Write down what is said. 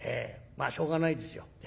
まあしょうがないですよ。